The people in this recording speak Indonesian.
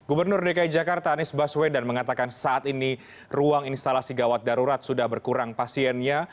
gubernur dki jakarta anies baswedan mengatakan saat ini ruang instalasi gawat darurat sudah berkurang pasiennya